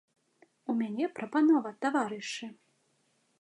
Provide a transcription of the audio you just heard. У мяне, прапанова, таварышы!